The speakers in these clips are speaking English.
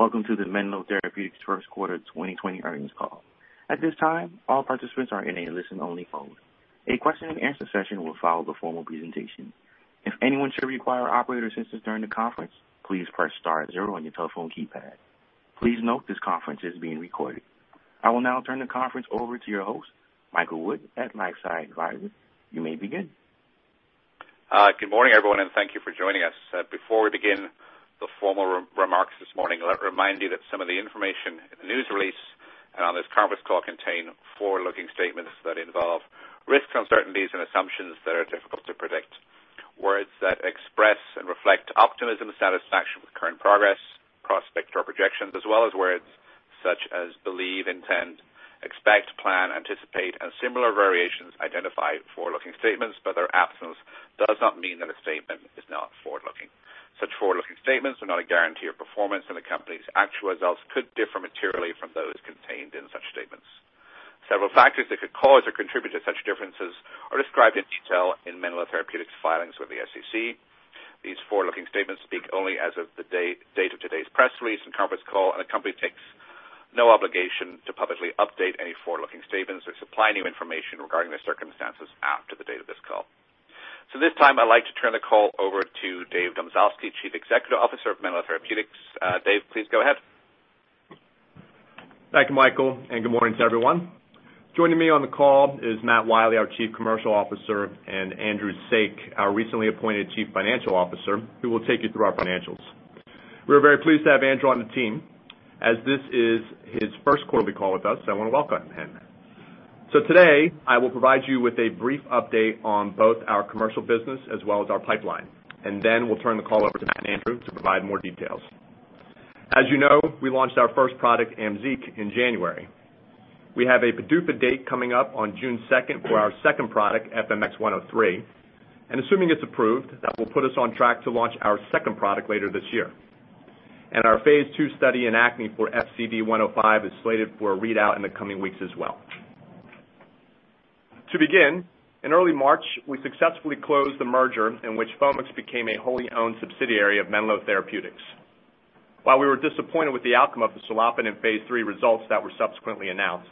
Welcome to the Menlo Therapeutics First Quarter 2020 Earnings Call. At this time, all participants are in a listen-only phone. A question-and-answer session will follow the formal presentation. If anyone should require operator assistance during the conference, please press star zero on your telephone keypad. Please note this conference is being recorded. I will now turn the conference over to your host, Michael Wood at LifeSci Advisors. You may begin. Good morning, everyone, and thank you for joining us. Before we begin the formal remarks this morning, let me remind you that some of the information in the news release and on this conference call contain forward-looking statements that involve risks, uncertainties, and assumptions that are difficult to predict. Words that express and reflect optimism and satisfaction with current progress, prospects or projections, as well as words such as "believe," "intend," "expect," "plan," "anticipate," and similar variations identify forward-looking statements, but their absence does not mean that a statement is not forward-looking. Such forward-looking statements are not a guarantee of performance, and the company's actual results could differ materially from those contained in such statements. Several factors that could cause or contribute to such differences are described in detail in Menlo Therapeutics' filings with the SEC. These forward-looking statements speak only as of the date of today's press release and conference call, and the company takes no obligation to publicly update any forward-looking statements or supply new information regarding the circumstances after the date of this call. At this time, I'd like to turn the call over to Dave Domzalski, Chief Executive Officer of Menlo Therapeutics. Dave, please go ahead. Thank you, Michael. Good morning to everyone. Joining me on the call is Matt Wiley, our Chief Commercial Officer, and Andrew Saik, our recently appointed Chief Financial Officer, who will take you through our financials. We are very pleased to have Andrew on the team. As this is his first quarterly call with us, I want to welcome him. Today, I will provide you with a brief update on both our commercial business as well as our pipeline, and then we'll turn the call over to Matt and Andrew to provide more details. As you know, we launched our first product, AMZEEQ, in January. We have a PDUFA date coming up on June 2nd for our second product, FMX103. Assuming it's approved, that will put us on track to launch our second product later this year. Our phase II study in acne for FCD105 is slated for a readout in the coming weeks as well. To begin, in early March, we successfully closed the merger in which Foamix became a wholly owned subsidiary of Menlo Therapeutics. While we were disappointed with the outcome of the serlopitant in phase III results that were subsequently announced,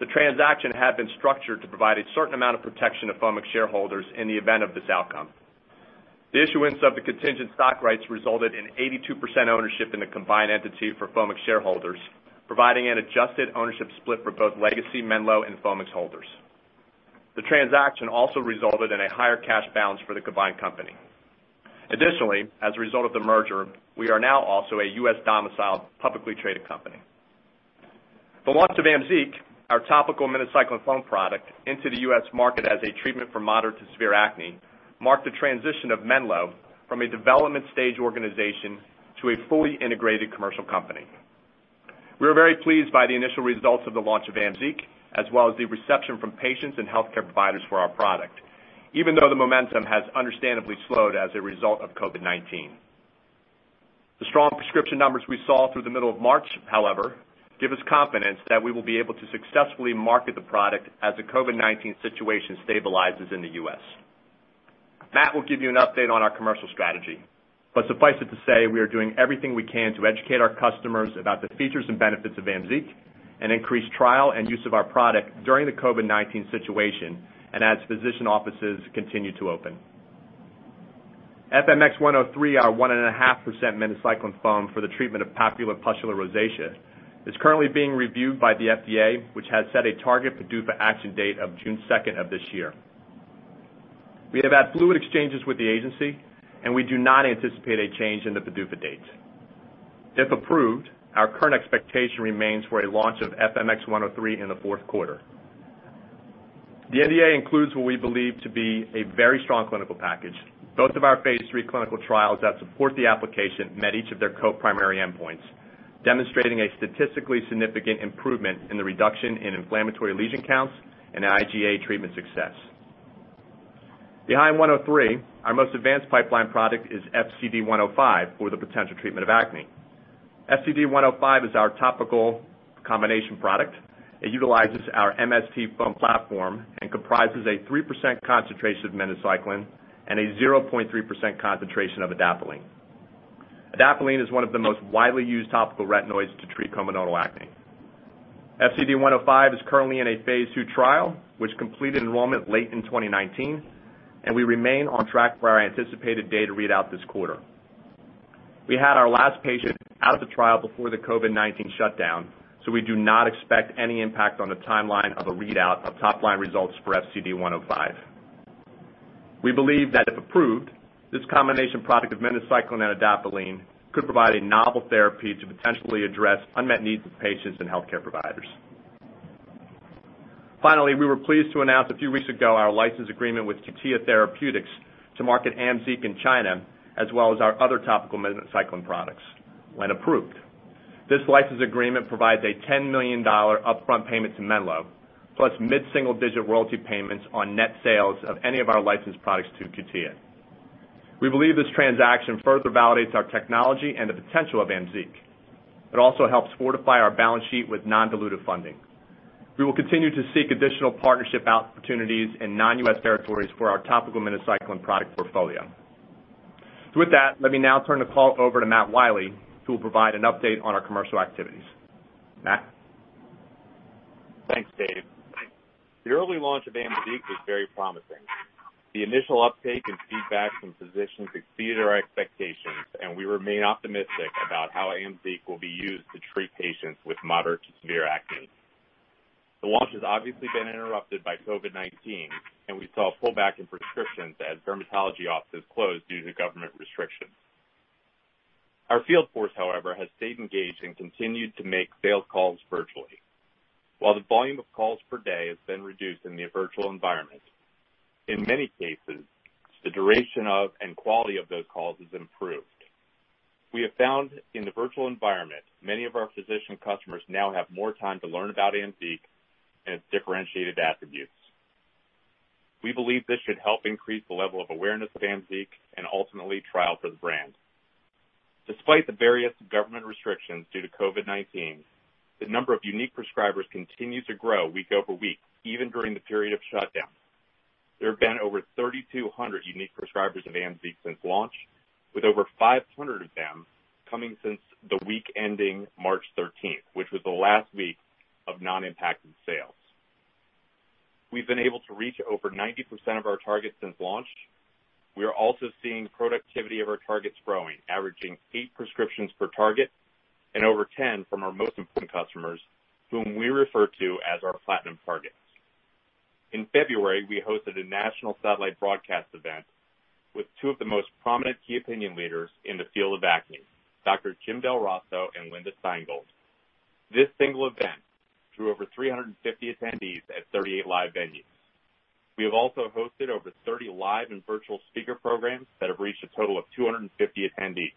the transaction had been structured to provide a certain amount of protection to Foamix shareholders in the event of this outcome. The issuance of the contingent stock rights resulted in 82% ownership in the combined entity for Foamix shareholders, providing an adjusted ownership split for both legacy Menlo and Foamix holders. The transaction also resulted in a higher cash balance for the combined company. Additionally, as a result of the merger, we are now also a U.S.-domiciled, publicly traded company. The launch of AMZEEQ, our topical minocycline foam product into the U.S. market as a treatment for moderate to severe acne, marked the transition of Menlo from a development stage organization to a fully integrated commercial company. We are very pleased by the initial results of the launch of AMZEEQ, as well as the reception from patients and healthcare providers for our product, even though the momentum has understandably slowed as a result of COVID-19. The strong prescription numbers we saw through the middle of March, however, give us confidence that we will be able to successfully market the product as the COVID-19 situation stabilizes in the U.S. Matt will give you an update on our commercial strategy. Suffice it to say, we are doing everything we can to educate our customers about the features and benefits of AMZEEQ and increase trial and use of our product during the COVID-19 situation and as physician offices continue to open. FMX103, our 1.5% minocycline foam for the treatment of papulopustular rosacea, is currently being reviewed by the FDA, which has set a target PDUFA action date of June 2nd of this year. We have had fluid exchanges with the agency. We do not anticipate a change in the PDUFA date. If approved, our current expectation remains for a launch of FMX103 in the fourth quarter. The NDA includes what we believe to be a very strong clinical package. Both of our phase III clinical trials that support the application met each of their co-primary endpoints, demonstrating a statistically significant improvement in the reduction in inflammatory lesion counts and IGA treatment success. Behind FMX103, our most advanced pipeline product is FCD105 for the potential treatment of acne. FCD105 is our topical combination product. It utilizes our MST foam platform and comprises a 3% concentration of minocycline and a 0.3% concentration of adapalene. adapalene is one of the most widely used topical retinoids to treat comedonal acne. FCD105 is currently in a phase II trial, which completed enrollment late in 2019, and we remain on track for our anticipated data readout this quarter. We had our last patient out of the trial before the COVID-19 shutdown, we do not expect any impact on the timeline of a readout of top-line results for FCD105. We believe that if approved, this combination product of minocycline and adapalene could provide a novel therapy to potentially address unmet needs of patients and healthcare providers. We were pleased to announce a few weeks ago our license agreement with Cutia Therapeutics to market AMZEEQ in China, as well as our other topical minocycline products when approved. This license agreement provides a $10 million upfront payment to Menlo, plus mid-single-digit royalty payments on net sales of any of our licensed products to Cutia. We believe this transaction further validates our technology and the potential of AMZEEQ. It also helps fortify our balance sheet with non-dilutive funding. We will continue to seek additional partnership opportunities in non-U.S. territories for our topical minocycline product portfolio. With that, let me now turn the call over to Matt Wiley, who will provide an update on our commercial activities. Matt? Thanks, Dave. The early launch of AMZEEQ was very promising. The initial uptake and feedback from physicians exceeded our expectations, and we remain optimistic about how AMZEEQ will be used to treat patients with moderate to severe acne. The launch has obviously been interrupted by COVID-19, and we saw a pullback in prescriptions as dermatology offices closed due to government restrictions. Our field force, however, has stayed engaged and continued to make sales calls virtually. While the volume of calls per day has been reduced in the virtual environment, in many cases, the duration of and quality of those calls has improved. We have found in the virtual environment, many of our physician customers now have more time to learn about AMZEEQ and its differentiated attributes. We believe this should help increase the level of awareness of AMZEEQ and ultimately trial for the brand. Despite the various government restrictions due to COVID-19, the number of unique prescribers continues to grow week over week, even during the period of shutdown. There have been over 3,200 unique prescribers of AMZEEQ since launch, with over 500 of them coming since the week ending March 13th, which was the last week of non-impacted sales. We've been able to reach over 90% of our targets since launch. We are also seeing productivity of our targets growing, averaging eight prescriptions per target and over 10 from our most important customers, whom we refer to as our platinum targets. In February, we hosted a national satellite broadcast event with two of the most prominent key opinion leaders in the field of acne, Dr. James Del Rosso and Linda Stein Gold. This single event drew over 350 attendees at 38 live venues. We have also hosted over 30 live and virtual speaker programs that have reached a total of 250 attendees.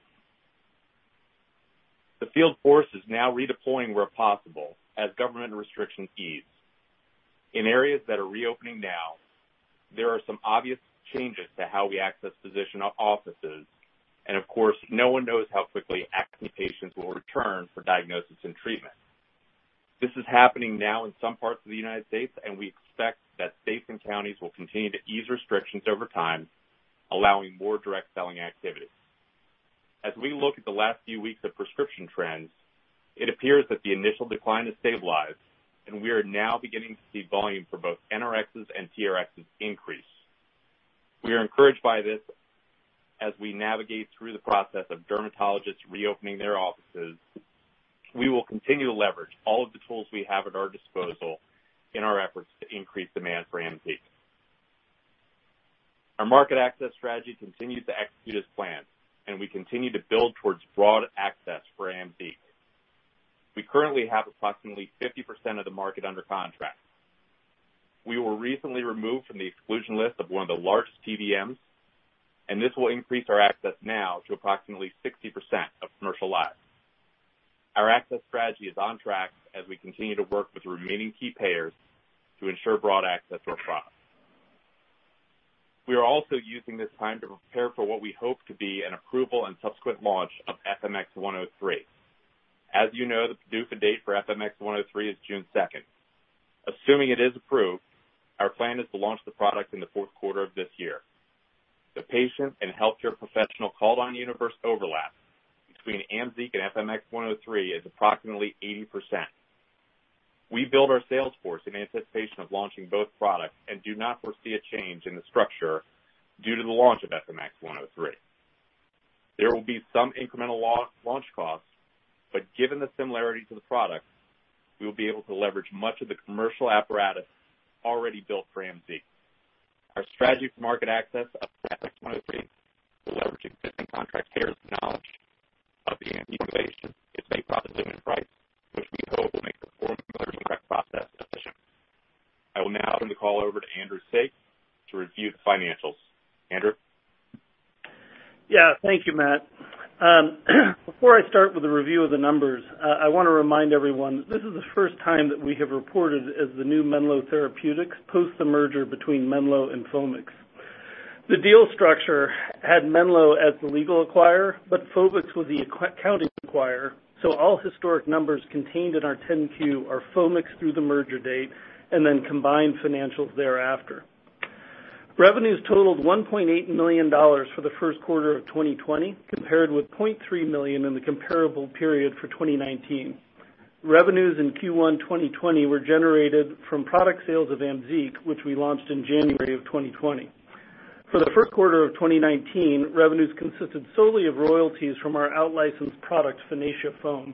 The field force is now redeploying where possible as government restrictions ease. In areas that are reopening now, there are some obvious changes to how we access physician offices. Of course, no one knows how quickly acne patients will return for diagnosis and treatment. This is happening now in some parts of the U.S. We expect that states and counties will continue to ease restrictions over time, allowing more direct selling activities. As we look at the last few weeks of prescription trends, it appears that the initial decline has stabilized. We are now beginning to see volume for both NRx and TRx increase. We are encouraged by this as we navigate through the process of dermatologists reopening their offices. We will continue to leverage all of the tools we have at our disposal in our efforts to increase demand for AMZEEQ. Our market access strategy continues to execute as planned, and we continue to build towards broad access for AMZEEQ. We currently have approximately 50% of the market under contract. We were recently removed from the exclusion list of one of the largest PBMs, and this will increase our access now to approximately 60% of commercial labs. Our access strategy is on track as we continue to work with remaining key payers to ensure broad access to our products. We are also using this time to prepare for what we hope to be an approval and subsequent launch of FMX103. As you know, the PDUFA date for FMX103 is June 2nd. Assuming it is approved, our plan is to launch the product in the fourth quarter of this year. The patient and healthcare professional called on universe overlap between AMZEEQ and FMX103 is approximately 80%. We build our sales force in anticipation of launching both products and do not foresee a change in the structure due to the launch of FMX103. There will be some incremental launch costs, given the similarity to the product, we will be able to leverage much of the commercial apparatus already built for AMZEEQ. Our strategy for market access of FMX103 will leverage existing contract payers' knowledge of the AMZEEQ innovation, its safety profile, and price, which we hope will make the formulary correct process efficient. I will now turn the call over to Andrew Saik to review the financials. Andrew? Thank you, Matt. Before I start with the review of the numbers, I want to remind everyone this is the first time that we have reported as the new Menlo Therapeutics post the merger between Menlo and Foamix. The deal structure had Menlo as the legal acquirer, but Foamix was the accounting acquirer, so all historic numbers contained in our 10-Q are Foamix through the merger date and then combined financials thereafter. Revenues totaled $1.8 million for the first quarter of 2020, compared with $0.3 million in the comparable period for 2019. Revenues in Q1 2020 were generated from product sales of AMZEEQ, which we launched in January of 2020. For the first quarter of 2019, revenues consisted solely of royalties from our out-licensed product, Finacea Foam.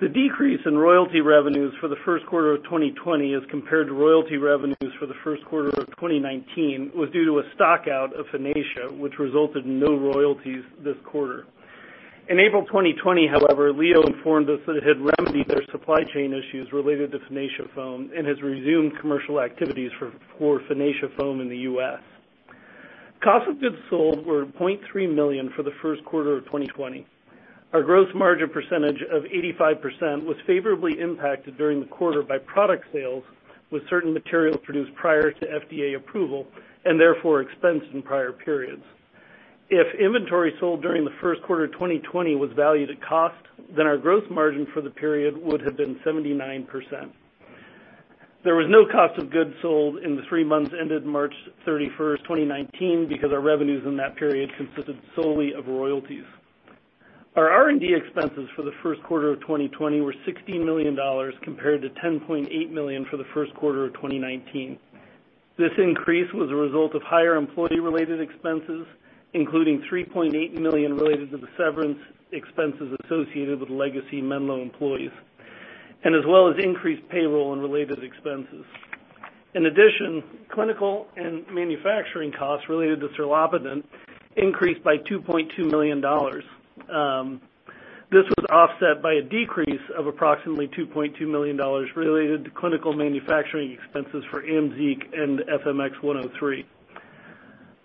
The decrease in royalty revenues for the first quarter of 2020 as compared to royalty revenues for the first quarter of 2019 was due to a stock out of Finacea, which resulted in no royalties this quarter. In April 2020, however, Leo informed us that it had remedied their supply chain issues related to Finacea Foam and has resumed commercial activities for Finacea Foam in the U.S. Cost of goods sold were $0.3 million for the first quarter of 2020. Our gross margin percentage of 85% was favorably impacted during the quarter by product sales with certain materials produced prior to FDA approval and therefore expensed in prior periods. If inventory sold during the first quarter 2020 was valued at cost, then our gross margin for the period would have been 79%. There was no cost of goods sold in the three months ended March 31, 2019, because our revenues in that period consisted solely of royalties. Our R&D expenses for the first quarter of 2020 were $16 million compared to $10.8 million for the first quarter of 2019. This increase was a result of higher employee-related expenses, including $3.8 million related to the severance expenses associated with legacy Menlo employees, as well as increased payroll and related expenses. In addition, clinical and manufacturing costs related to serlopitant increased by $2.2 million. This was offset by a decrease of approximately $2.2 million related to clinical manufacturing expenses for AMZEEQ and FMX103.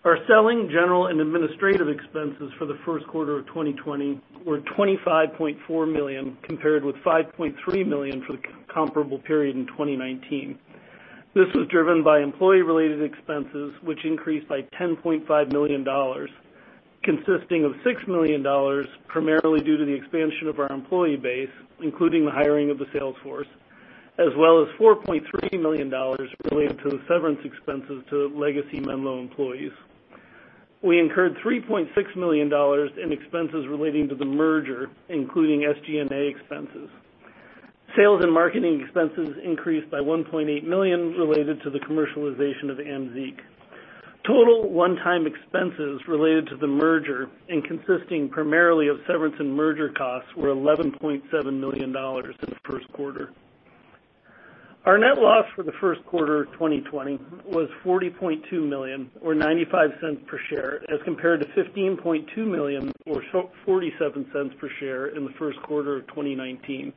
Our selling, general, and administrative expenses for the first quarter of 2020 were $25.4 million compared with $5.3 million for the comparable period in 2019. This was driven by employee-related expenses, which increased by $10.5 million, consisting of $6 million primarily due to the expansion of our employee base, including the hiring of the sales force, as well as $4.3 million related to the severance expenses to legacy Menlo employees. We incurred $3.6 million in expenses relating to the merger, including SG&A expenses. Sales and marketing expenses increased by $1.8 million related to the commercialization of AMZEEQ. Total one-time expenses related to the merger and consisting primarily of severance and merger costs were $11.7 million in the first quarter. Our net loss for the first quarter of 2020 was $40.2 million, or $0.95 per share, as compared to $15.2 million or $0.47 per share in the first quarter of 2019.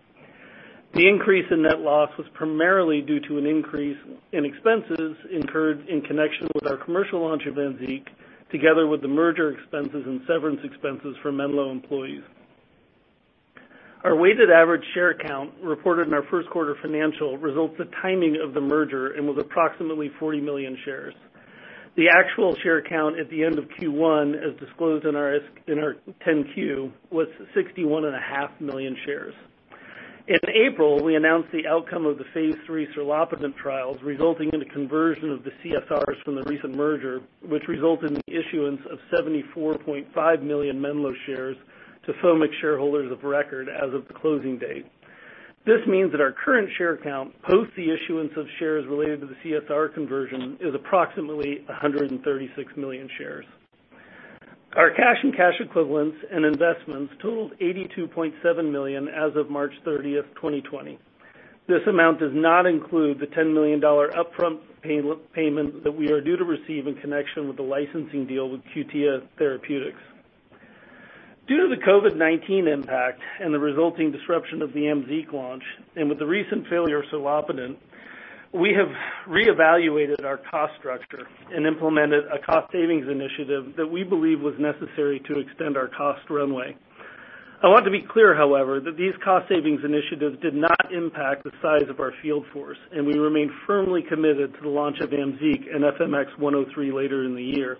The increase in net loss was primarily due to an increase in expenses incurred in connection with our commercial launch of AMZEEQ, together with the merger expenses and severance expenses for Menlo employees. Our weighted average share count reported in our first quarter financial results the timing of the merger and was approximately 40 million shares. The actual share count at the end of Q1, as disclosed in our 10-Q, was 61.5 million shares. In April, we announced the outcome of the phase III serlopitant trials, resulting in a conversion of the CSRs from the recent merger, which resulted in the issuance of 74.5 million Menlo shares to some shareholders of record as of the closing date. This means that our current share count, post the issuance of shares related to the CSR conversion, is approximately 136 million shares. Our cash and cash equivalents and investments totaled $82.7 million as of March 30, 2020. This amount does not include the $10 million upfront payment that we are due to receive in connection with the licensing deal with Cutia Therapeutics. Due to the COVID-19 impact and the resulting disruption of the AMZEEQ launch, and with the recent failure of serlopitant, we have reevaluated our cost structure and implemented a cost savings initiative that we believe was necessary to extend our cost runway. I want to be clear, however, that these cost savings initiatives did not impact the size of our field force, and we remain firmly committed to the launch of AMZEEQ and FMX103 later in the year.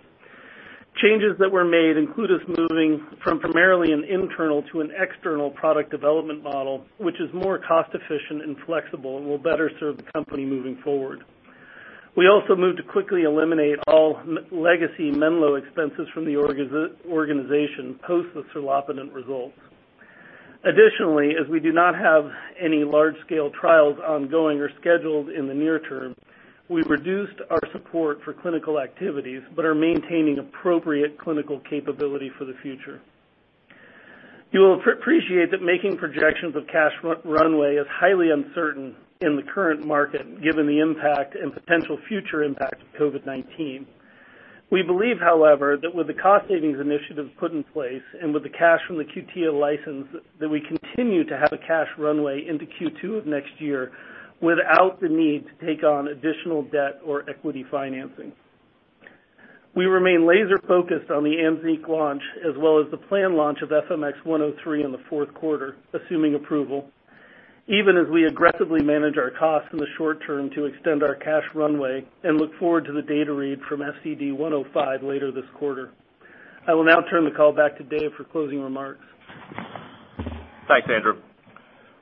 Changes that were made include us moving from primarily an internal to an external product development model, which is more cost efficient and flexible and will better serve the company moving forward. We also moved to quickly eliminate all legacy Menlo expenses from the organization post the serlopitant results. Additionally, as we do not have any large-scale trials ongoing or scheduled in the near term, we've reduced our support for clinical activities but are maintaining appropriate clinical capability for the future. You will appreciate that making projections of cash runway is highly uncertain in the current market given the impact and potential future impact of COVID-19. We believe, however, that with the cost savings initiatives put in place and with the cash from the Cutia license, that we continue to have a cash runway into Q2 of next year without the need to take on additional debt or equity financing. We remain laser-focused on the AMZEEQ launch, as well as the planned launch of FMX103 in the fourth quarter, assuming approval, even as we aggressively manage our costs in the short term to extend our cash runway and look forward to the data read from FCD105 later this quarter. I will now turn the call back to Dave for closing remarks. Thanks, Andrew.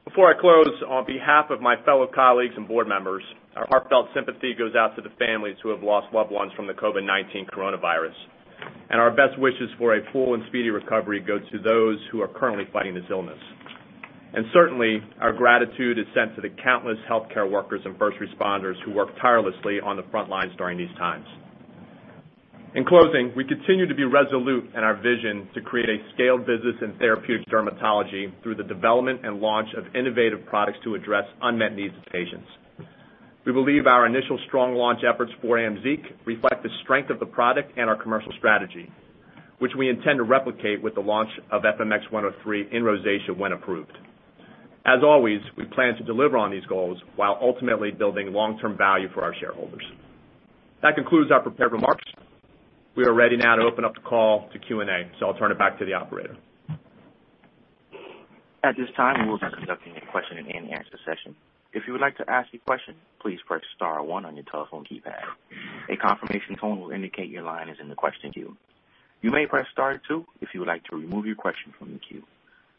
Before I close, on behalf of my fellow colleagues and board members, our heartfelt sympathy goes out to the families who have lost loved ones from the COVID-19 coronavirus, and our best wishes for a full and speedy recovery go to those who are currently fighting this illness. Certainly, our gratitude is sent to the countless healthcare workers and first responders who work tirelessly on the front lines during these times. In closing, we continue to be resolute in our vision to create a scaled business in therapeutic dermatology through the development and launch of innovative products to address unmet needs of patients. We believe our initial strong launch efforts for AMZEEQ reflect the strength of the product and our commercial strategy, which we intend to replicate with the launch of FMX103 in rosacea when approved. As always, we plan to deliver on these goals while ultimately building long-term value for our shareholders. That concludes our prepared remarks. We are ready now to open up the call to Q&A. I'll turn it back to the operator. At this time, we will be conducting a question and answer session. If you would like to ask a question, please press star one on your telephone keypad. A confirmation tone will indicate your line is in the question queue. You may press star two if you would like to remove your question from the queue.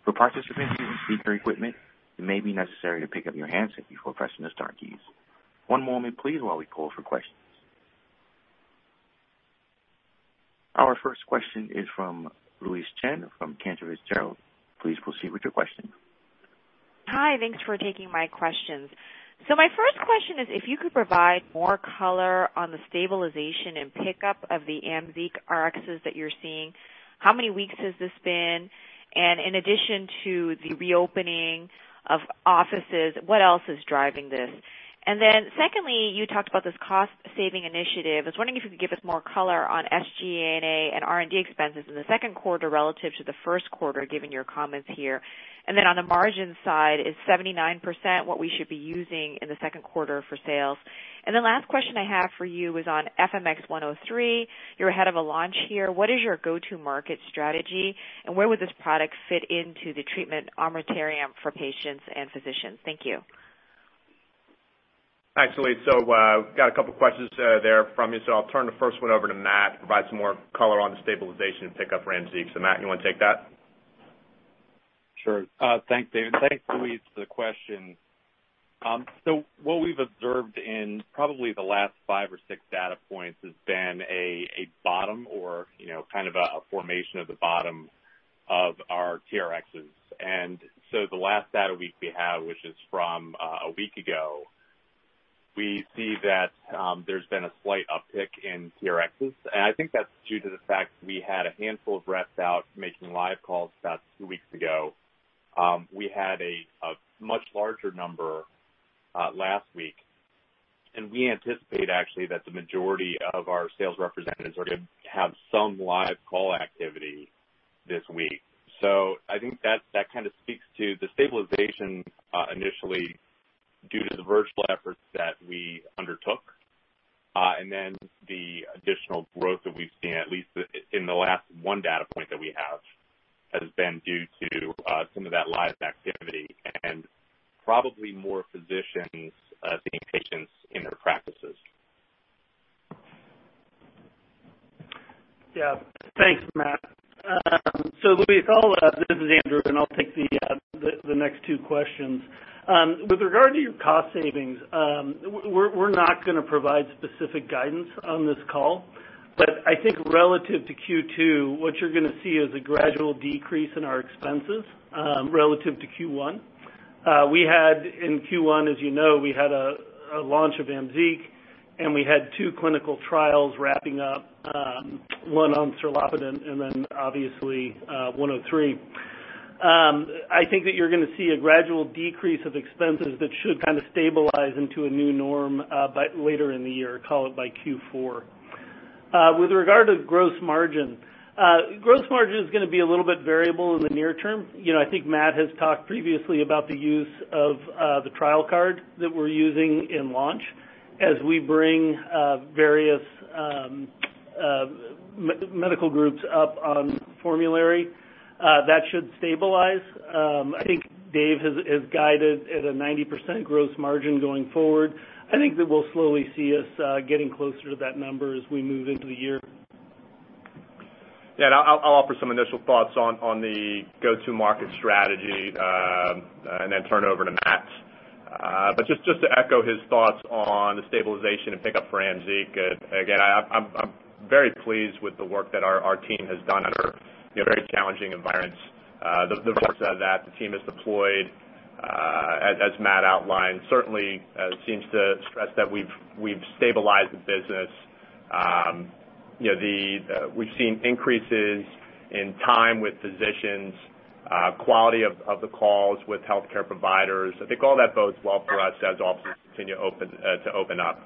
For participants using speaker equipment, it may be necessary to pick up your handset before pressing the star keys. One moment please while we call for questions. Our first question is from Louise Chen from Cantor Fitzgerald. Please proceed with your question. Hi. Thanks for taking my questions. My first question is, if you could provide more color on the stabilization and pickup of the AMZEEQ NRx that you're seeing, how many weeks has this been? In addition to the reopening of offices, what else is driving this? Secondly, you talked about this cost-saving initiative. I was wondering if you could give us more color on SG&A and R&D expenses in the second quarter relative to the first quarter, given your comments here. On the margin side, is 79% what we should be using in the second quarter for sales? The last question I have for you is on FMX103. You're ahead of a launch here. What is your go-to market strategy, and where would this product fit into the treatment armamentarium for patients and physicians? Thank you. Thanks, Louise. Got a couple questions there from you. I'll turn the first one over to Matt to provide some more color on the stabilization and pickup for AMZEEQ. Matt, you want to take that? Sure. Thanks, Dave. Thanks, Louise, for the question. What we've observed in probably the last five or six data points has been a bottom or kind of a formation of the bottom of our TRxs. The last data week we have, which is from a week ago, we see that there's been a slight uptick in TRxs. I think that's due to the fact we had a handful of reps out making live calls about two weeks ago. We had a much larger number last week, and we anticipate, actually, that the majority of our sales representatives are going to have some live call activity this week. I think that kind of speaks to the stabilization initially due to the virtual efforts that we undertook. The additional growth that we've seen, at least in the last one data point that we have, has been due to some of that live activity and probably more physicians seeing patients in their practices. Yeah. Thanks, Matt. Louise, this is Andrew, and I'll take the next two questions. With regard to your cost savings, we're not going to provide specific guidance on this call, I think relative to Q2, what you're going to see is a gradual decrease in our expenses relative to Q1. In Q1, as you know, we had a launch of AMZEEQ, we had two clinical trials wrapping up, one on serlopitant and then obviously 103. I think that you're going to see a gradual decrease of expenses that should kind of stabilize into a new norm later in the year, call it by Q4. With regard to gross margin, gross margin is going to be a little bit variable in the near term. I think Matt has talked previously about the use of the trial card that we're using in launch as we bring various medical groups up on formulary. That should stabilize. I think Dave has guided at a 90% gross margin going forward. I think that we'll slowly see us getting closer to that number as we move into the year. Yeah, I'll offer some initial thoughts on the go-to market strategy and then turn it over to Matt. Just to echo his thoughts on the stabilization and pickup for AMZEEQ, again, I'm very pleased with the work that our team has done under very challenging environments. The work that the team has deployed, as Matt outlined, certainly seems to stress that we've stabilized the business. We've seen increases in time with physicians, quality of the calls with healthcare providers. I think all that bodes well for us as offices continue to open up.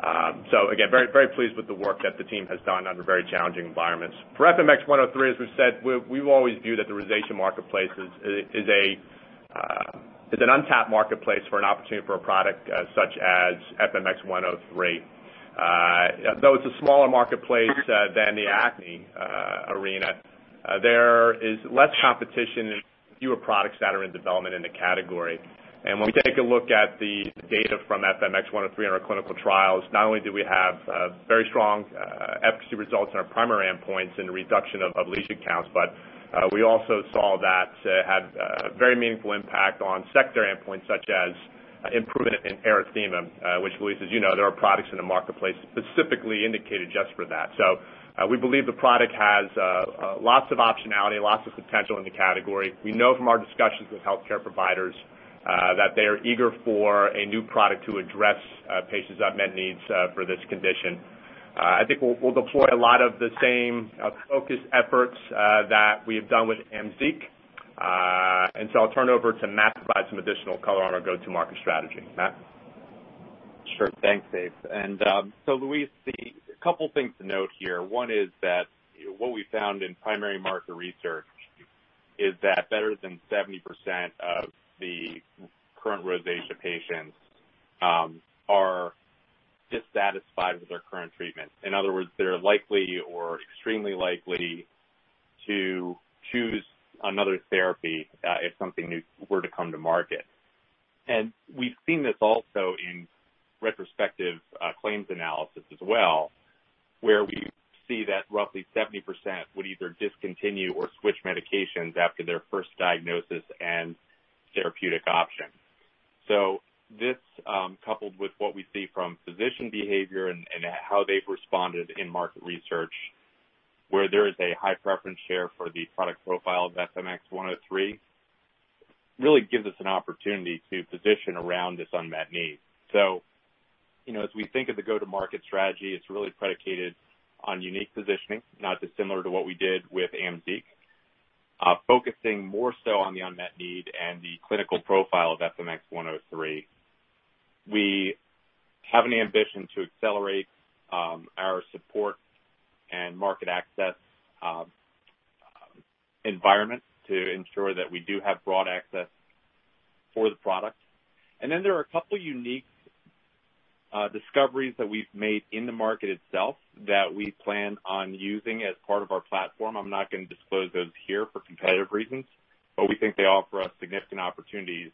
Again, very pleased with the work that the team has done under very challenging environments. For FMX103, as we've said, we've always viewed the rosacea marketplace as an untapped marketplace for an opportunity for a product such as FMX103. Though it's a smaller marketplace than the acne arena, there is less competition and fewer products that are in development in the category. When we take a look at the data from FMX103 in our clinical trials, not only do we have very strong efficacy results in our primary endpoints in the reduction of lesion counts, but we also saw that it had a very meaningful impact on secondary endpoints such as improvement in erythema, which Louise as you know, there are products in the marketplace specifically indicated just for that. We believe the product has lots of optionality, lots of potential in the category. We know from our discussions with healthcare providers that they are eager for a new product to address patients' unmet needs for this condition. I think we'll deploy a lot of the same focused efforts that we have done with AMZEEQ. I'll turn it over to Matt to provide some additional color on our go-to-market strategy. Matt? Sure. Thanks, Dave. Louise, a couple things to note here. One is that what we found in primary market research is that better than 70% current rosacea patients are dissatisfied with their current treatment. In other words, they're likely or extremely likely to choose another therapy if something new were to come to market. We've seen this also in retrospective claims analysis as well, where we see that roughly 70% would either discontinue or switch medications after their first diagnosis and therapeutic option. This, coupled with what we see from physician behavior and how they've responded in market research, where there is a high preference share for the product profile of FMX103, really gives us an opportunity to position around this unmet need. As we think of the go-to-market strategy, it's really predicated on unique positioning, not dissimilar to what we did with AMZEEQ, focusing more so on the unmet need and the clinical profile of FMX103. We have an ambition to accelerate our support and market access environment to ensure that we do have broad access for the product. There are a couple unique discoveries that we've made in the market itself that we plan on using as part of our platform. I'm not going to disclose those here for competitive reasons, but we think they offer us significant opportunities,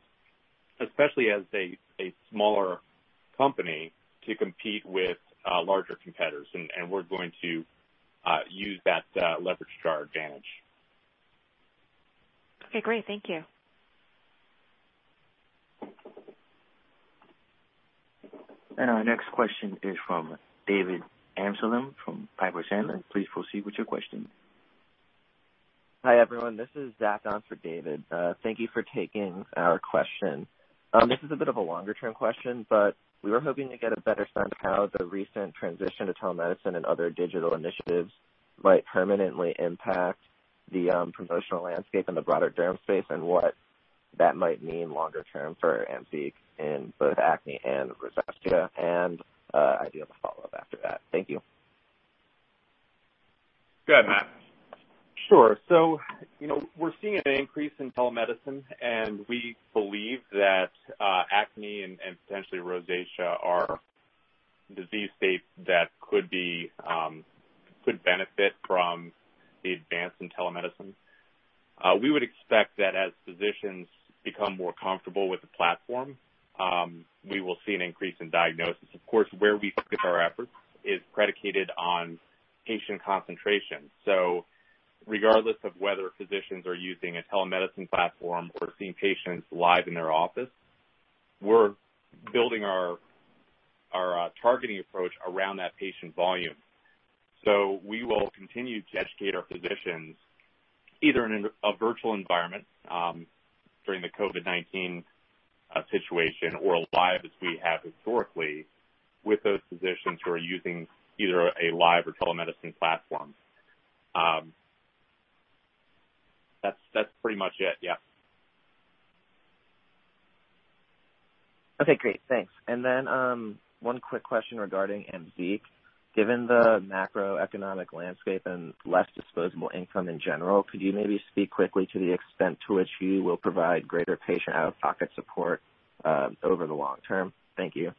especially as a smaller company, to compete with larger competitors. We're going to use that leverage to our advantage. Okay, great. Thank you. Our next question is from David Amsellem, from Piper Sandler. Please proceed with your question. Hi, everyone. This is Zach on for David. Thank you for taking our question. This is a bit of a longer-term question, but we were hoping to get a better sense how the recent transition to telemedicine and other digital initiatives might permanently impact the promotional landscape and the broader derm space, and what that might mean longer term for AMZEEQ in both acne and rosacea. I do have a follow-up after that. Thank you. Go ahead, Matt. Sure. We're seeing an increase in telemedicine, and we believe that acne and potentially rosacea are disease states that could benefit from the advance in telemedicine. We would expect that as physicians become more comfortable with the platform, we will see an increase in diagnosis. Of course, where we put our efforts is predicated on patient concentration. Regardless of whether physicians are using a telemedicine platform or seeing patients live in their office, we're building our targeting approach around that patient volume. We will continue to educate our physicians, either in a virtual environment during the COVID-19 situation or live as we have historically with those physicians who are using either a live or telemedicine platform. That's pretty much it. Yeah. Okay, great. Thanks. One quick question regarding AMZEEQ. Given the macroeconomic landscape and less disposable income in general, could you maybe speak quickly to the extent to which you will provide greater patient out-of-pocket support over the long term? Thank you.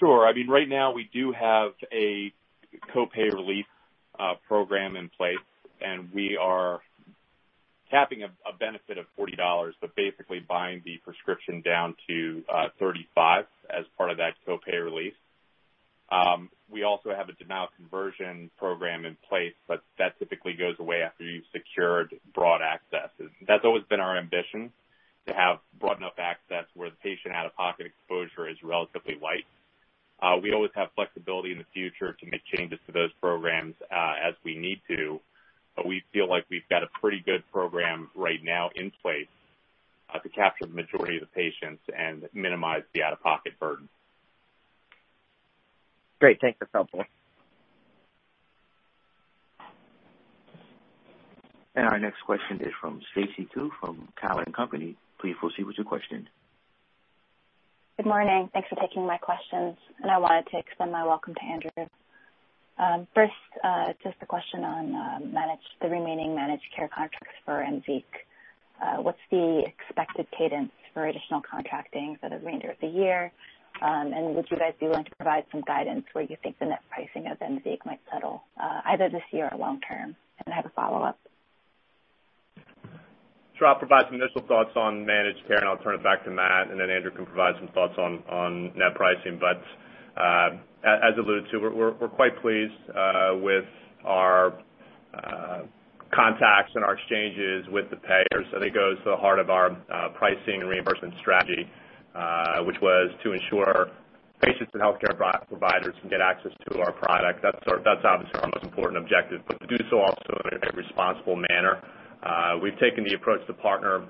Right now, we do have a co-pay relief program in place, and we are capping a benefit of $40, but basically buying the prescription down to $35 as part of that co-pay relief. We also have a denial conversion program in place, but that typically goes away after you've secured broad access. That's always been our ambition, to have broad enough access where the patient out-of-pocket exposure is relatively light. We always have flexibility in the future to make changes to those programs as we need to, but we feel like we've got a pretty good program right now in place to capture the majority of the patients and minimize the out-of-pocket burden. Great. Thanks. That's helpful. Our next question is from Stacy Ku from Cowen and Company. Please proceed with your question. Good morning. Thanks for taking my questions. I wanted to extend my welcome to Andrew. First, just a question on the remaining managed care contracts for AMZEEQ. What's the expected cadence for additional contracting for the remainder of the year? Would you guys be willing to provide some guidance where you think the net pricing of AMZEEQ might settle, either this year or long term? I have a follow-up. Sure. I'll provide some initial thoughts on managed care, and I'll turn it back to Matt, and then Andrew can provide some thoughts on net pricing. As alluded to, we're quite pleased with our contacts and our exchanges with the payers. I think it goes to the heart of our pricing and reimbursement strategy, which was to ensure patients and healthcare providers can get access to our product. That's obviously our most important objective, but to do so also in a responsible manner. We've taken the approach to partner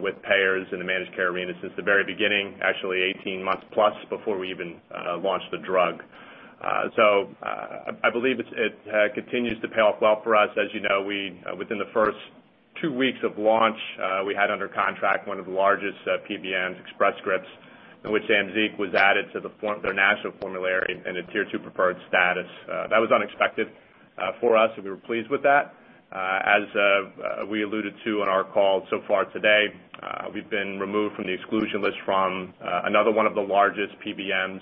with payers in the managed care arena since the very beginning, actually 18 months+ before we even launched the drug. I believe it continues to pay off well for us. As you know, within the first two weeks of launch, we had under contract one of the largest PBMs, Express Scripts. In which AMZEEQ was added to their national formulary in a Tier 2 preferred status. That was unexpected for us, and we were pleased with that. As we alluded to on our call so far today, we've been removed from the exclusion list from another one of the largest PBMs.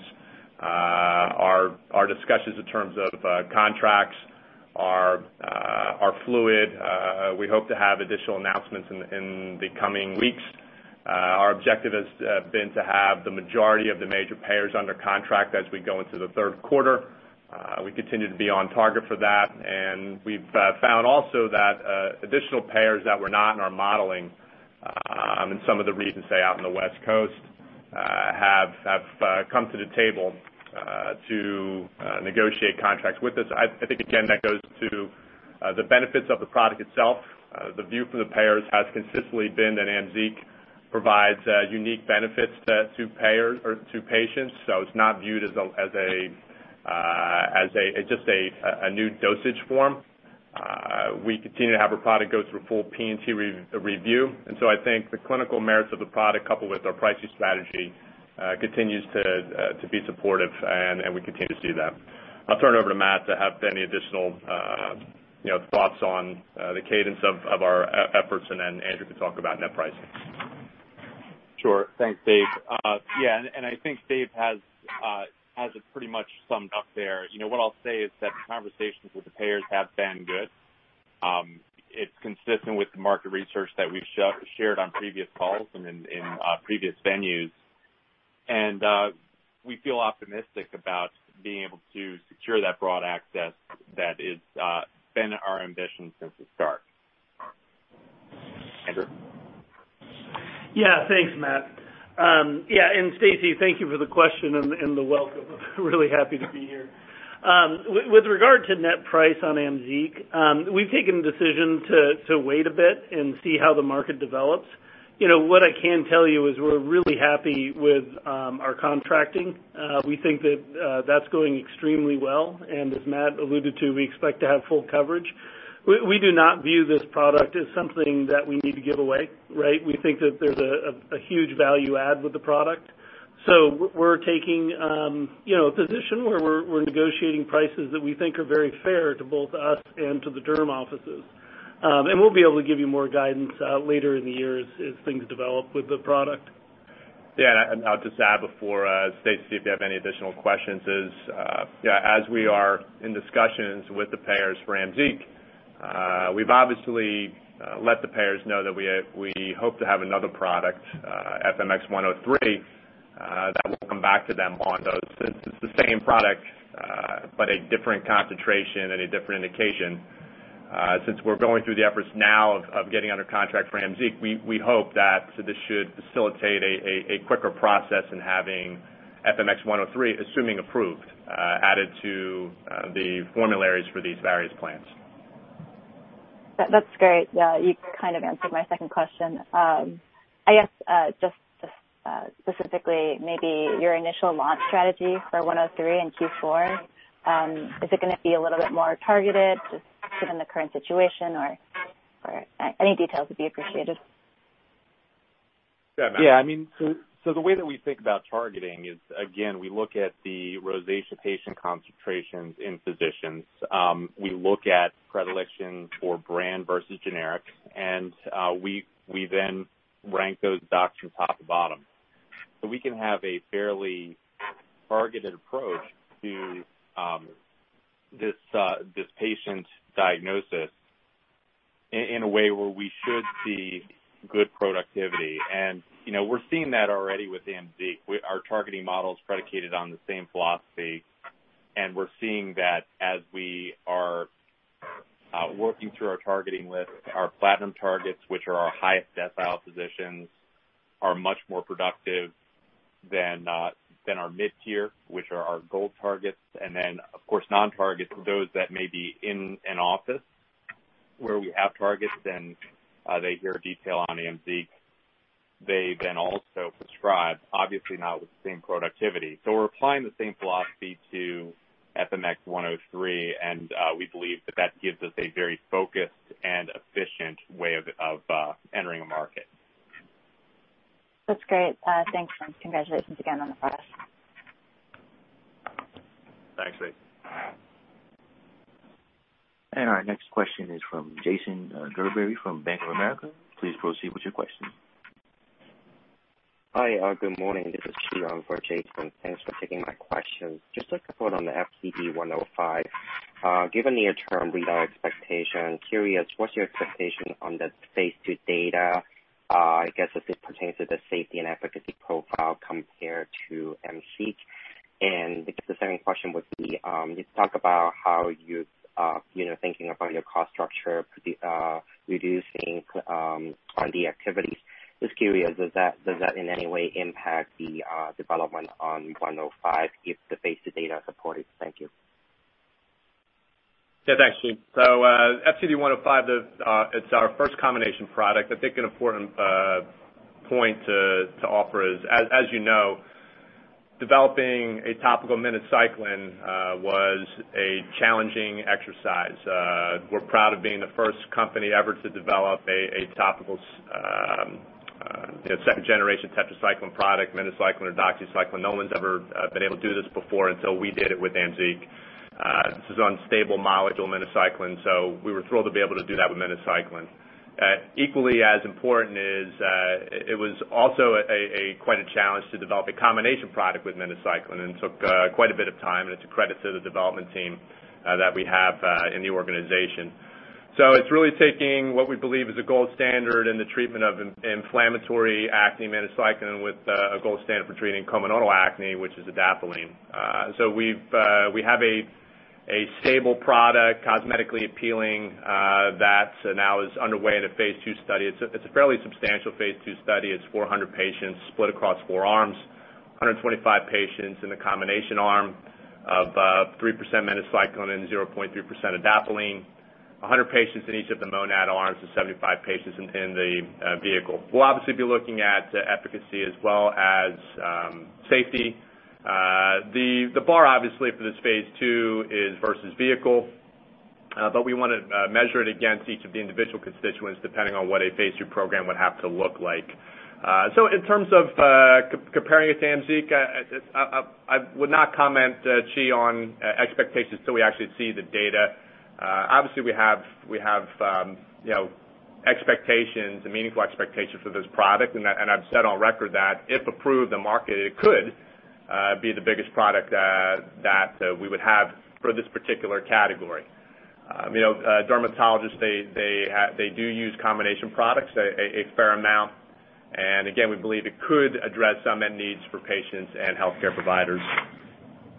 Our discussions in terms of contracts are fluid. We hope to have additional announcements in the coming weeks. Our objective has been to have the majority of the major payers under contract as we go into the third quarter. We continue to be on target for that, and we've found also that additional payers that were not in our modeling, in some of the regions, say, out in the West Coast, have come to the table to negotiate contracts with us. I think, again, that goes to the benefits of the product itself. The view from the payers has consistently been that AMZEEQ provides unique benefits to patients, so it's not viewed as just a new dosage form. We continue to have our product go through a full P&T review. I think the clinical merits of the product, coupled with our pricing strategy, continues to be supportive, and we continue to see that. I'll turn it over to Matt to have any additional thoughts on the cadence of our efforts, and then Andrew can talk about net pricing. Sure. Thanks, Dave. Yeah, I think Dave has it pretty much summed up there. What I'll say is that the conversations with the payers have been good. It's consistent with the market research that we've shared on previous calls and in previous venues. We feel optimistic about being able to secure that broad access that it's been our ambition since the start. Andrew? Thanks, Matt. Stacy, thank you for the question and the welcome. Really happy to be here. With regard to net price on AMZEEQ, we've taken the decision to wait a bit and see how the market develops. What I can tell you is we're really happy with our contracting. We think that that's going extremely well. As Matt alluded to, we expect to have full coverage. We do not view this product as something that we need to give away, right? We think that there's a huge value add with the product. We're taking a position where we're negotiating prices that we think are very fair to both us and to the derm offices. We'll be able to give you more guidance later in the year as things develop with the product. I'll just add before, Stacy, if you have any additional questions, is as we are in discussions with the payers for AMZEEQ, we've obviously let the payers know that we hope to have another product, FMX103, that we'll come back to them on those. It's the same product but a different concentration and a different indication. We're going through the efforts now of getting under contract for AMZEEQ, we hope that this should facilitate a quicker process in having FMX103, assuming approved, added to the formularies for these various plans. That's great. Yeah, you kind of answered my second question. I guess, just specifically maybe your initial launch strategy for 103 in Q4, is it going to be a little bit more targeted just given the current situation, or any details would be appreciated? Yeah, Matt. Yeah. The way that we think about targeting is, again, we look at the rosacea patient concentrations in physicians. We look at predilection for brand versus generic, and we then rank those docs from top to bottom. We can have a fairly targeted approach to this patient diagnosis in a way where we should see good productivity. We're seeing that already with AMZEEQ. Our targeting model is predicated on the same philosophy, and we're seeing that as we are working through our targeting list, our platinum targets, which are our highest decile physicians, are much more productive than our mid-tier, which are our gold targets. Of course, non-targets are those that may be in an office where we have targets, and they hear detail on AMZEEQ. They then also prescribe, obviously not with the same productivity. We're applying the same philosophy to FMX103, and we believe that that gives us a very focused and efficient way of entering a market. That's great. Thanks, congratulations again on the progress. Thanks, Stacy. Our next question is from Jason Gerberry from Bank of America. Please proceed with your question. Hi, good morning. This is Chi Fong for Jason. Thanks for taking my questions. Just a couple on the FCD105. Given your term readout expectation, curious, what's your expectation on the phase II data? I guess as it pertains to the safety and efficacy profile compared to AMZEEQ. I guess the second question would be, you talk about how you're thinking about your cost structure reducing R&D activities. Just curious, does that in any way impact the development on 105 if the phase II data support it? Thank you. Thanks, Chi. FCD105, it's our first combination product. I think an important point to offer is, as you know, developing a topical minocycline was a challenging exercise. We're proud of being the first company ever to develop a topical second-generation tetracycline product, minocycline or doxycycline. No one's ever been able to do this before. We did it with AMZEEQ. This is on stable molecule minocycline. We were thrilled to be able to do that with minocycline. Equally as important is, it was also quite a challenge to develop a combination product with minocycline and took quite a bit of time. It's a credit to the development team that we have in the organization. It's really taking what we believe is a gold standard in the treatment of inflammatory acne, minocycline, with a gold standard for treating comedonal acne, which is adapalene. We have a stable product, cosmetically appealing, that now is underway in a phase II study. It's a fairly substantial phase II study. It's 400 patients split across four arms, 125 patients in the combination arm of 3% minocycline and 0.3% adapalene, 100 patients in each of the monad arms, and 75 patients in the vehicle. We'll obviously be looking at efficacy as well as safety. The bar, obviously, for this phase II is versus vehicle. We want to measure it against each of the individual constituents, depending on what a phase II program would have to look like. In terms of comparing it to AMZEEQ, I would not comment, Chi, on expectations till we actually see the data. Obviously, we have expectations and meaningful expectations for this product. I've said on record that if approved the market, it could be the biggest product that we would have for this particular category. Dermatologists, they do use combination products a fair amount, and again, we believe it could address some needs for patients and healthcare providers.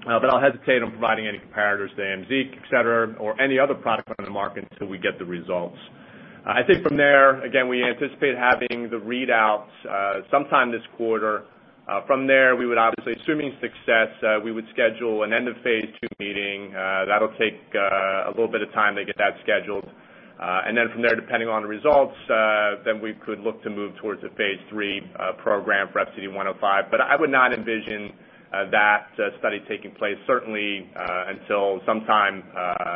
I'll hesitate on providing any comparators to AMZEEQ, et cetera, or any other product on the market until we get the results. I think from there, again, we anticipate having the readouts sometime this quarter. From there, we would obviously, assuming success, we would schedule an end of phase II meeting. That'll take a little bit of time to get that scheduled. Then from there, depending on the results, then we could look to move towards a phase III program for FCD105. I would not envision that study taking place, certainly until sometime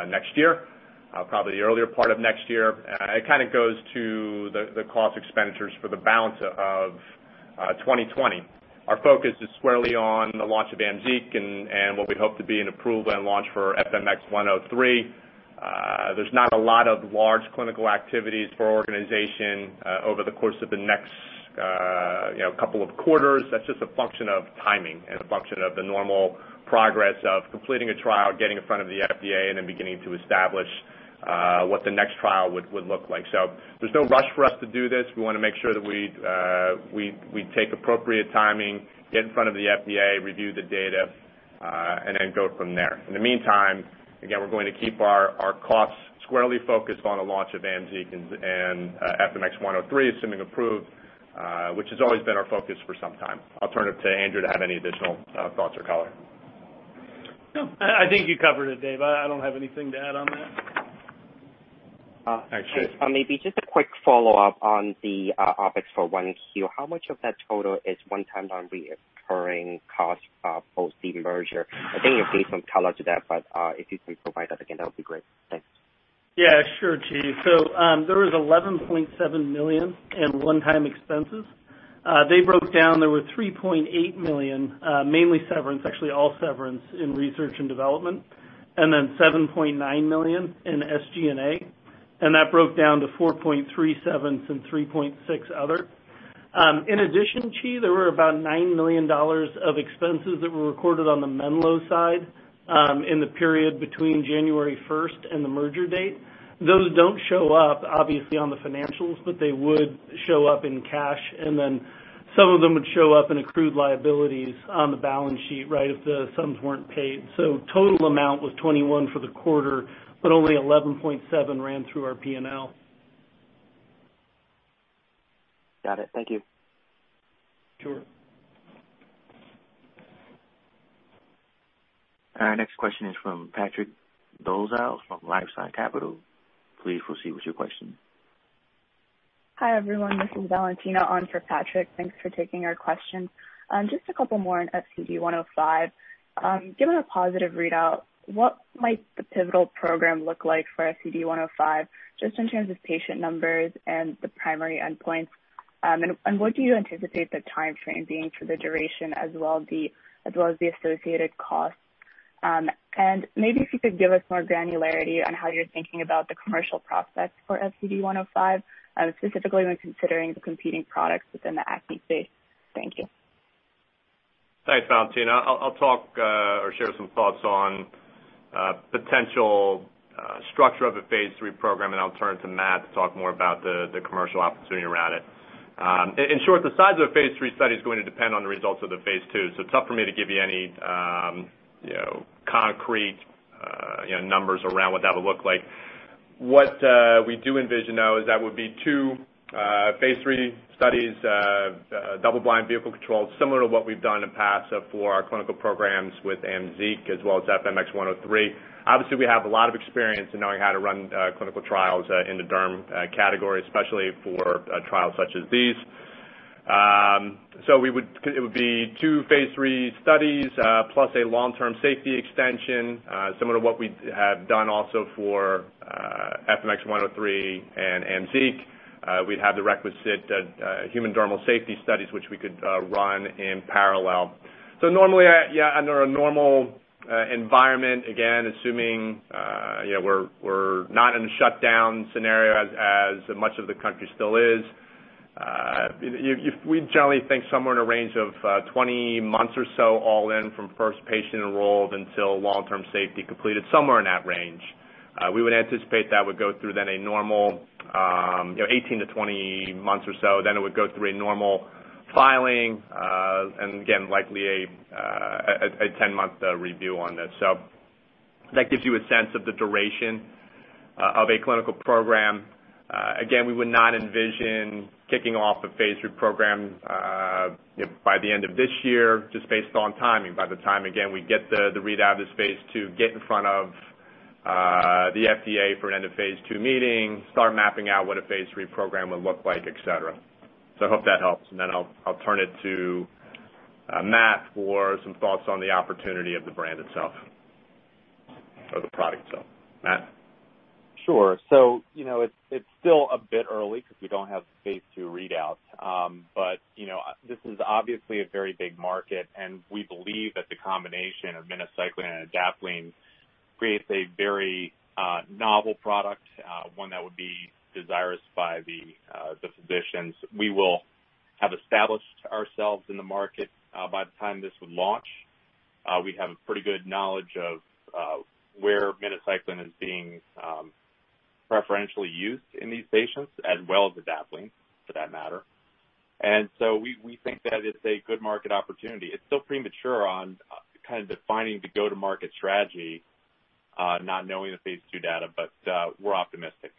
next year, probably the earlier part of next year. It kind of goes to the cost expenditures for the balance of 2020. Our focus is squarely on the launch of AMZEEQ and what we hope to be an approval and launch for FMX103. There's not a lot of large clinical activities for our organization over the course of the next couple of quarters. That's just a function of timing and a function of the normal progress of completing a trial, getting in front of the FDA, and then beginning to establish what the next trial would look like. There's no rush for us to do this. We want to make sure that we take appropriate timing, get in front of the FDA, review the data, and then go from there. In the meantime, again, we're going to keep our costs squarely focused on a launch of AMZEEQ and FMX103, assuming approved, which has always been our focus for some time. I'll turn it to Andrew to have any additional thoughts or color. No, I think you covered it, Dave. I don't have anything to add on that. Thanks. Maybe just a quick follow-up on the OpEx for One Heal. How much of that total is one-time non-recurring cost post the merger? I think you gave some color to that, but if you can provide that again, that would be great. Thanks. Yeah, sure, Chi. There was $11.7 million in one-time expenses. They broke down, there were $3.8 million, mainly severance, actually all severance in R&D, and $7.9 million in SG&A, and that broke down to $4.37 and $3.6 other. In addition, Chi, there were about $9 million of expenses that were recorded on the Menlo side in the period between January 1st and the merger date. Those don't show up, obviously, on the financials, they would show up in cash, some of them would show up in accrued liabilities on the balance sheet, right, if the sums weren't paid. The total amount was $21 for the quarter, but only $11.7 ran through our P&L. Got it. Thank you. Sure. Our next question is from Patrick Dolezal from LifeSci Capital. Please proceed with your question. Hi, everyone. This is Valentina on for Patrick. Thanks for taking our question. Just a couple more on FCD105. Given a positive readout, what might the pivotal program look like for FCD105, just in terms of patient numbers and the primary endpoints? What do you anticipate the timeframe being for the duration as well the associated costs? Maybe if you could give us more granularity on how you're thinking about the commercial prospects for FCD105, specifically when considering the competing products within the acne space. Thank you. Thanks, Valentina. I'll talk or share some thoughts on potential structure of a phase III program, and I'll turn it to Matt to talk more about the commercial opportunity around it. In short, the size of a phase III study is going to depend on the results of the phase II, so it's tough for me to give you any concrete numbers around what that would look like. What we do envision, though, is that would be two phase III studies, double blind vehicle control, similar to what we've done in the past for our clinical programs with AMZEEQ as well as FMX103. Obviously, we have a lot of experience in knowing how to run clinical trials in the derm category, especially for trials such as these. It would be two phase III studies, plus a long-term safety extension, similar to what we have done also for FMX103 and AMZEQ. We'd have the requisite human dermal safety studies, which we could run in parallel. Normally, under a normal environment, again, assuming we're not in a shutdown scenario as much of the country still is, we generally think somewhere in a range of 20 months or so, all in from first patient enrolled until long-term safety completed, somewhere in that range. It would go through a normal 18 to 20 months or so. Then it would go through a normal filing, and again, likely a 10-month review on this. That gives you a sense of the duration of a clinical program. Again, we would not envision kicking off a phase III program by the end of this year, just based on timing. By the time, again, we get the readout of this phase II, get in front of the FDA for an end-of-phase II meeting, start mapping out what a phase III program would look like, et cetera. I hope that helps. I'll turn it to Matt for some thoughts on the opportunity of the brand itself or the product itself. Matt? Sure. It's still a bit early because we don't have the phase II readouts. This is obviously a very big market, and we believe that the combination of minocycline and adapalene creates a very novel product, one that would be desirous by the physicians. We will have established ourselves in the market by the time this would launch. We have pretty good knowledge of where minocycline is being preferentially used in these patients, as well as adapalene, for that matter. We think that it's a good market opportunity. It's still premature on kind of defining the go-to-market strategy, not knowing the phase II data, but we're optimistic.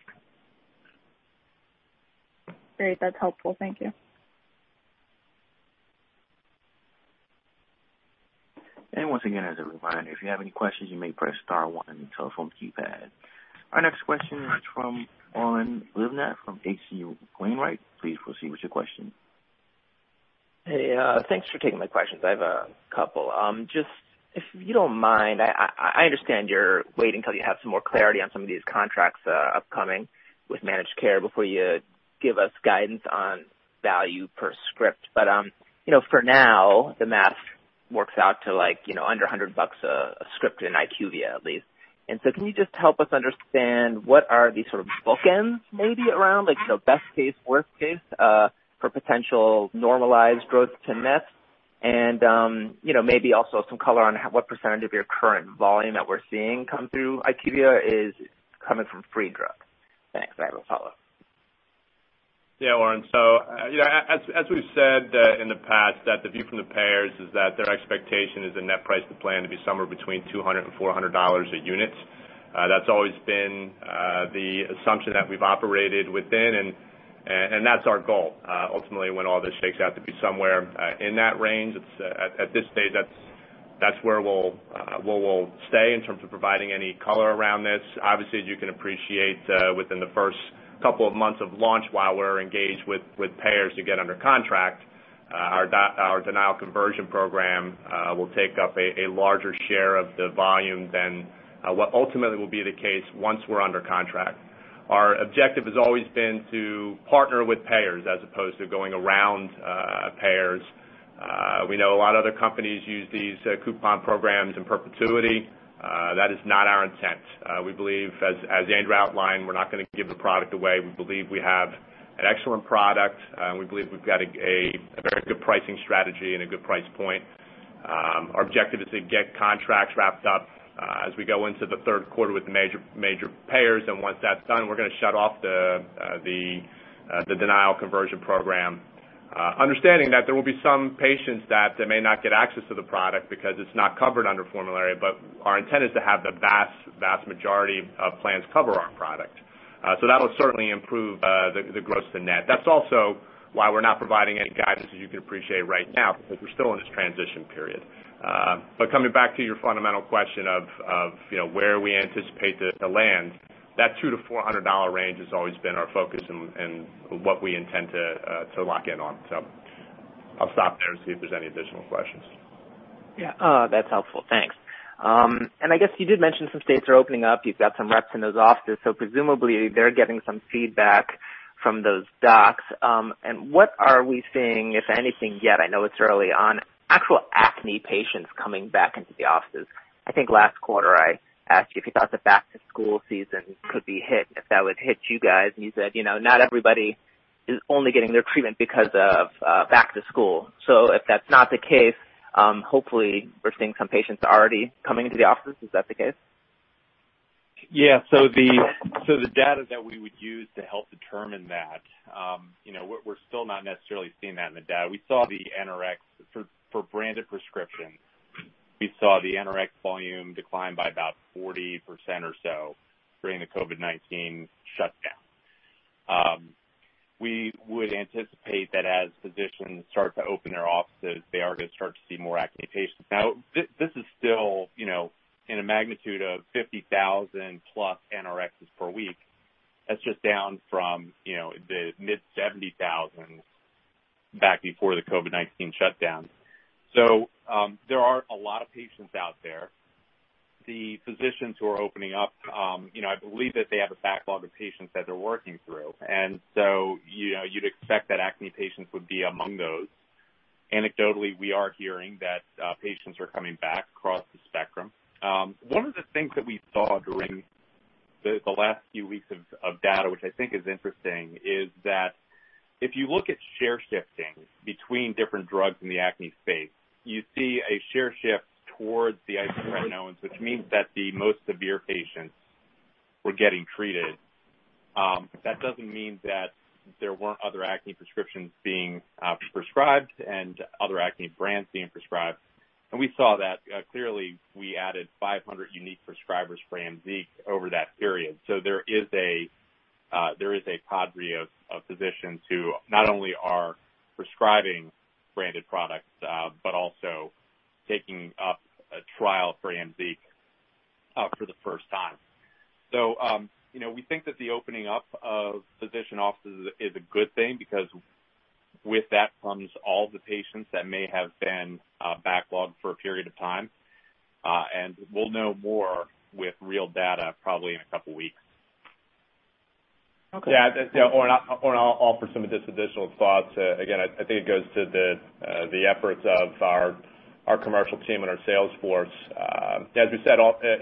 Great. That's helpful. Thank you. Once again, as a reminder, if you have any questions, you may press star one on your telephone keypad. Our next question is from Oren Livnat with H.C. Wainwright. Please proceed with your question. Hey, thanks for taking my questions. I have a couple. Just if you don't mind, I understand you're waiting until you have some more clarity on some of these contracts upcoming with managed care before you give us guidance on value per script. For now, the math works out to under $100 a script in IQVIA at least. Can you just help us understand what are the sort of bookends maybe around best case, worst case, for potential normalized gross to net and, maybe also some color on what percentage of your current volume that we're seeing come through IQVIA is coming from free drugs? Thanks. I will follow up. Oren, as we've said in the past, the view from the payers is that their expectation is the net price to plan to be somewhere between $200 and $400 a unit. That's always been the assumption that we've operated within and that's our goal. Ultimately, when all this shakes out to be somewhere in that range, at this stage, that's where we'll stay in terms of providing any color around this. Obviously, as you can appreciate, within the first couple of months of launch, while we're engaged with payers to get under contract, our denial conversion program will take up a larger share of the volume than what ultimately will be the case once we're under contract. Our objective has always been to partner with payers as opposed to going around payers. We know a lot of other companies use these coupon programs in perpetuity. That is not our intent. We believe, as Andrew Saik outlined, we're not going to give the product away. We believe we have an excellent product. We believe we've got a very good pricing strategy and a good price point. Our objective is to get contracts wrapped up as we go into the third quarter with the major payers. Once that's done, we're going to shut off the denial conversion program. Understanding that there will be some patients that may not get access to the product because it's not covered under formulary, but our intent is to have the vast majority of plans cover our product. That'll certainly improve the gross to net. That's also why we're not providing any guidance, as you can appreciate right now, because we're still in this transition period. Coming back to your fundamental question of where we anticipate to land, that $200 to $400 range has always been our focus and what we intend to lock in on. I'll stop there and see if there's any additional questions. Yeah. That's helpful. Thanks. I guess you did mention some states are opening up. You've got some reps in those offices. Presumably, they're getting some feedback from those docs. What are we seeing, if anything, yet, I know it's early on, actual acne patients coming back into the offices? I think last quarter I asked you if you thought the back to school season could be hit, if that would hit you guys, and you said, "Not everybody is only getting their treatment because of back to school." If that's not the case, hopefully we're seeing some patients already coming into the offices. Is that the case? Yeah. The data that we would use to help determine that, we're still not necessarily seeing that in the data. We saw the NRx for branded prescriptions. We saw the NRx volume decline by about 40% or so during the COVID-19 shutdown. We would anticipate that as physicians start to open their offices, they are going to start to see more acne patients. Now, this is still in a magnitude of 50,000+ NRx per week. That's just down from the mid 70,000 back before the COVID-19 shutdown. There are a lot of patients out there. The physicians who are opening up, I believe that they have a backlog of patients that they're working through. You'd expect that acne patients would be among those. Anecdotally, we are hearing that patients are coming back across the spectrum. One of the things that we saw during the last few weeks of data, which I think is interesting, is that if you look at share shifting between different drugs in the acne space, you see a share shift towards the isotretinoin, which means that the most severe patients were getting treated. That doesn't mean that there weren't other acne prescriptions being prescribed and other acne brands being prescribed. We saw that clearly, we added 500 unique prescribers for AMZEEQ over that period. There is a pod of physicians who not only are prescribing branded products, but also taking up a trial for AMZEEQ for the first time. We think that the opening up of physician offices is a good thing because with that comes all the patients that may have been backlogged for a period of time. We'll know more with real data probably in a couple weeks. Okay. Yeah. Oren, I'll offer some of just additional thoughts. I think it goes to the efforts of our commercial team and our sales force. As we said,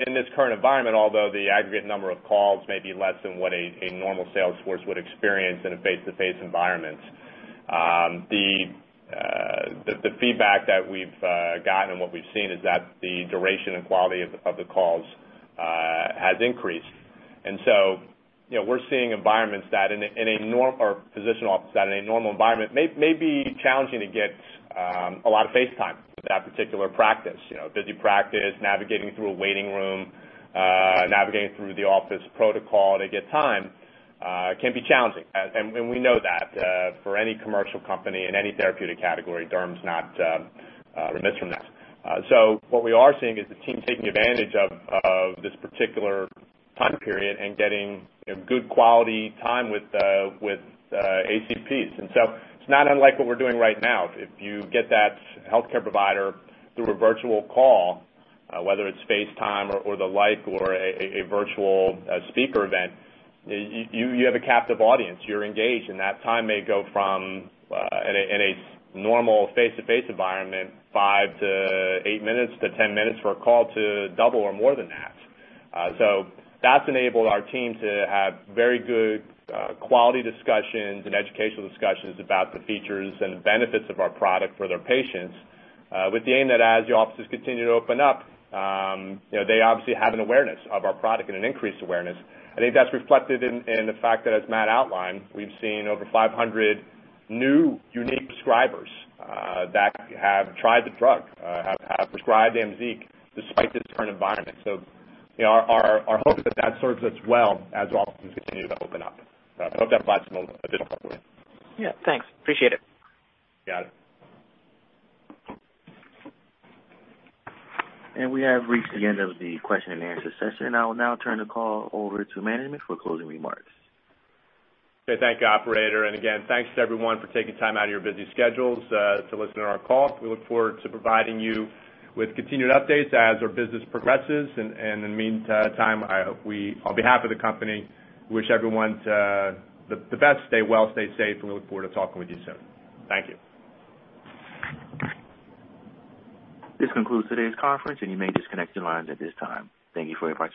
in this current environment, although the aggregate number of calls may be less than what a normal sales force would experience in a face-to-face environment. The feedback that we've gotten and what we've seen is that the duration and quality of the calls has increased. We're seeing environments that in a norm or physician office that in a normal environment may be challenging to get a lot of face time with that particular practice. Busy practice, navigating through a waiting room, navigating through the office protocol to get time can be challenging. We know that for any commercial company in any therapeutic category, derm's not remiss from that. What we are seeing is the team taking advantage of this particular time period and getting good quality time with HCPs. It's not unlike what we're doing right now. If you get that healthcare provider through a virtual call, whether it's FaceTime or the like, or a virtual speaker event, you have a captive audience. You're engaged, and that time may go from, in a normal face-to-face environment, five to eight minutes to 10 minutes for a call to double or more than that. That's enabled our team to have very good quality discussions and educational discussions about the features and benefits of our product for their patients. With the aim that as the offices continue to open up, they obviously have an awareness of our product and an increased awareness. I think that's reflected in the fact that as Matt outlined, we've seen over 500 new unique prescribers that have tried the drug, have prescribed AMZEEQ despite this current environment. Our hope is that that serves us well as offices continue to open up. I hope that provides some additional color. Yeah, thanks. Appreciate it. Got it. We have reached the end of the question-and-answer session. I will now turn the call over to management for closing remarks. Okay, thank you, operator. Again, thanks to everyone for taking time out of your busy schedules to listen to our call. We look forward to providing you with continued updates as our business progresses. In the meantime, I hope we, on behalf of the company, wish everyone the best. Stay well, stay safe, and we look forward to talking with you soon. Thank you. This concludes today's conference, and you may disconnect your lines at this time. Thank you for your participation.